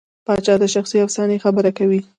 پاچا د شخصي افسانې خبره کوي.